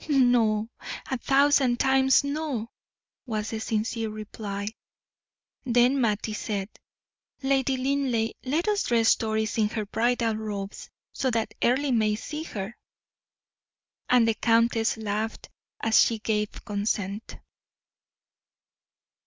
"No a thousand times no!" was the sincere reply. Then Mattie said: "Lady Linleigh, let us dress Doris in her bridal robes, so that Earle may see her." And the countess laughed as she gave consent.